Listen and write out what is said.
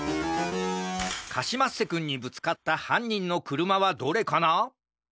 カシマッセくんにぶつかったはんにんのくるまはどれかな？